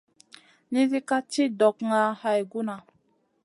Nizi ka ci ɗokŋa hay guna.